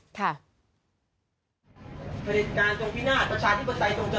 ผลิตการจงพินาธประชาธิปัจจัยจงเจริญ